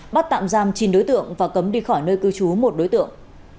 bắt tạm giam chín đối tượng và cấm đi khỏi nơi cư trú một đối tượng